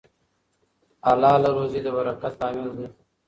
حلاله روزي د برکت لامل ګرځي.